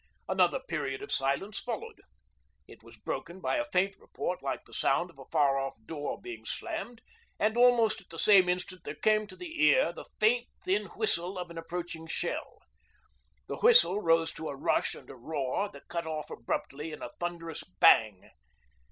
Another period of silence followed. It was broken by a faint report like the sound of a far off door being slammed, and almost at the same instant there came to the ear the faint thin whistle of an approaching shell. The whistle rose to a rush and a roar that cut off abruptly in a thunderous bang.